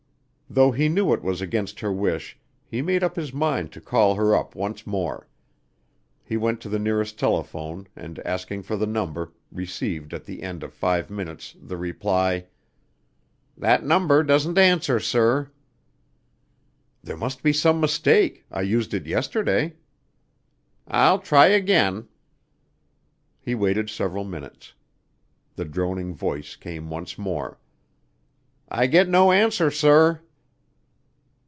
Though he knew it was against her wish, he made up his mind to call her up once more. He went to the nearest telephone and, asking for the number, received at the end of five minutes the reply: "That number doesn't answer, sir." "There must be some mistake. I used it yesterday." "I'll try again." He waited several minutes. The droning voice came once more. "I get no answer, sir."